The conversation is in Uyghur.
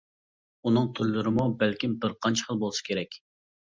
ئۇنىڭ تۈرلىرىمۇ بەلكىم بىر قانچە خىل بولسا كېرەك.